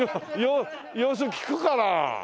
様子聞くから。